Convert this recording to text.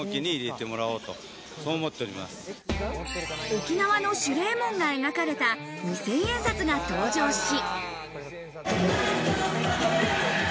沖縄の守礼門が描かれた２０００円札が登場し。